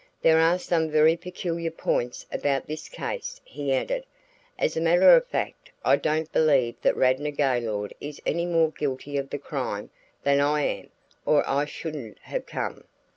There are some very peculiar points about this case," he added. "As a matter of fact, I don't believe that Radnor Gaylord is any more guilty of the crime than I am or I shouldn't have come.